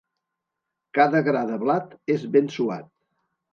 Cada gra de blat és ben suat.